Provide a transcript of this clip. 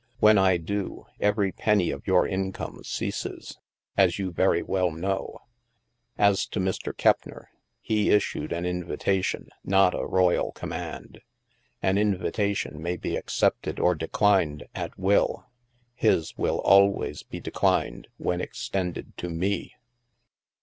When I do, every penny of your income ceases, as you very well know. As to Mr. Keppner, he issued an in vitation, not a royal command. An invitation may be accepted or declined, at will. His will always be declined, when extended to me."